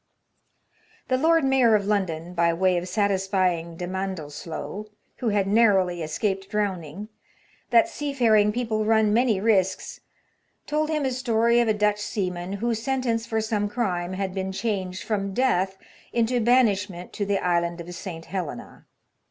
The Lord Mayor of London, by way of satisfying de Mandelsloe* — who had narrowly escaped drowning — that seafaring people run many risks, told him a story of a Dutch seaman, whose sentence, for some crime, had been changed from death into banishment to the island of St. Helena.